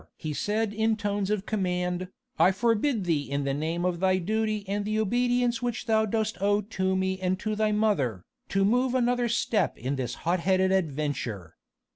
he said in tones of command, "I forbid thee in the name of thy duty and the obedience which thou dost owe to me and to thy mother, to move another step in this hot headed adventure.